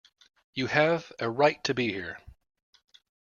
You have a right to be here.